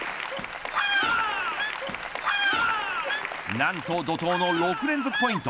なんと怒とうの６連続ポイント。